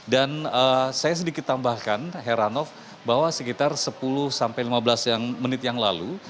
dan saya sedikit tambahkan heranov bahwa sekitar sepuluh sampai lima belas menit yang lalu